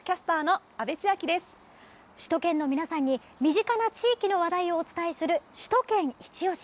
首都圏の皆さんに身近な地域の話題をお伝えする「首都圏いちオシ！」。